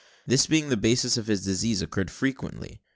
This, being the basis of his disease, occurred frequently.